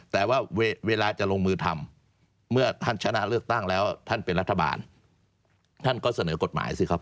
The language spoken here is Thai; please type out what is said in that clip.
แต่ว่าเวลาจะลงมือทำเมื่อท่านชนะเลือกตั้งแล้วท่านเป็นรัฐบาลท่านก็เสนอกฎหมายสิครับ